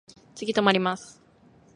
次止まります。